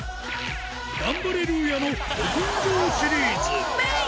ガンバレルーヤのど根性シリーズ。